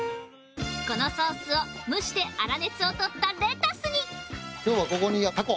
このソースを蒸して粗熱を取ったレタスに今日はここにタコ。